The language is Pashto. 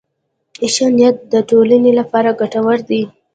ښه نیت د ټولنې لپاره ګټور دی.